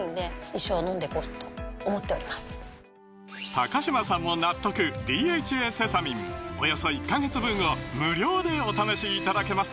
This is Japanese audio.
高嶋さんも納得「ＤＨＡセサミン」およそ１カ月分を無料でお試しいただけます